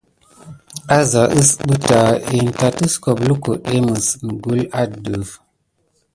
Ása ésəkué pay kin tate kiskobe lukudé mis nikule aɗef.